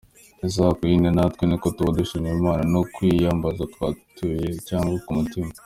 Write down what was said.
Isaha ku yindi natwe niko tuba dushima Imana no kuyihimbaza twatuye cyangwa ku mutima.